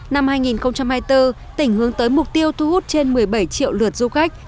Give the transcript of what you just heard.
năm hai nghìn hai mươi bốn tỉnh hướng tới mục tiêu thu hút trên một mươi bảy triệu lượt du khách